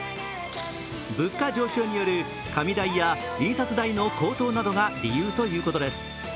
物価上昇による紙代や印刷代の高騰などが理由とのことです。